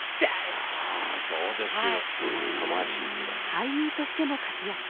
俳優としても活躍。